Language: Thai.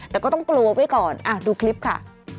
แต่จะกลัวไว้ก่อนดูคลิปค่ะ